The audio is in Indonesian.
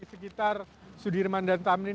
di sekitar sudirman dan tamrin